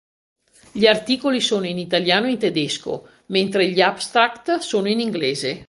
Gli articoli sono in italiano e in tedesco, mentre gli "abstracts" sono in inglese.